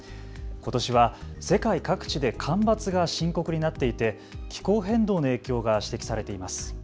ことしは世界各地で干ばつが深刻になっていて気候変動の影響が指摘されています。